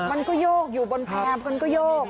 มันก็โยกอยู่บนแพร่มันก็โยก